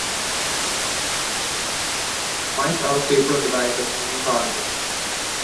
Mice are a staple in the diet of many small carnivores.